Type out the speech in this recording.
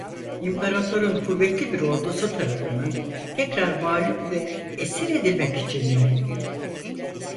İmparator'un kuvvetli bir ordusu tarafından tekrar mağlup ve esir edilmek için mi?